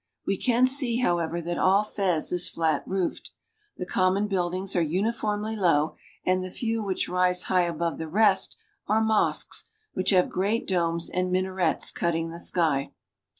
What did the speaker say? We can see, however, that all Fez is flat roofed. The common buildings are uniformly low, and the few which rise high above the rest are mosques, which have great domes and minarets cutting the sky.